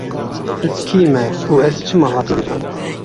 Ez kî me û ez çima hatime vê cîhanê?